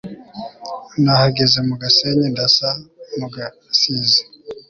nahagaze mu gasenyi ndasa mu gasiza